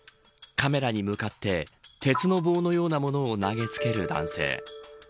カメラに向かって鉄の棒のようなものを投げつける男性。